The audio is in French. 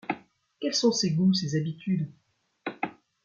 Quels sont ses goûts, ses habitudes ?